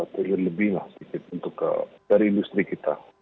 dua triliun lebih lah sedikit untuk dari industri kita